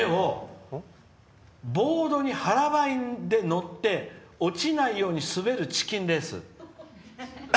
「ボードに腹ばいで乗って落ちないように滑るチキンレース。